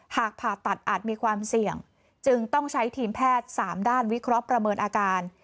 หากผ่าตัดอาจมีความเสี่ยงจึงต้องใช้ทีมแพทย์๓ด้านวิเคราะห์ประเมินอาการ